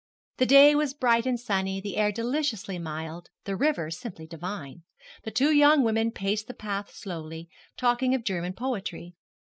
The day was bright and sunny, the air deliciously mild, the river simply divine. The two young women paced the path slowly, talking of German poetry.